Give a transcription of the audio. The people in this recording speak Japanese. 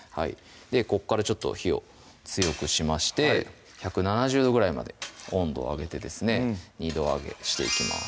ここからちょっと火を強くしまして１７０度ぐらいまで温度を上げてですね二度揚げしていきます